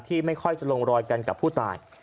ไม่ค่อยจะลงรอยกันกับผู้ตาย